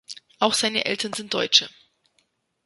Auch seine Eltern sind Deutsche.